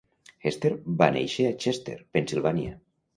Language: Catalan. Hester va néixer a Chester, Pennsilvània.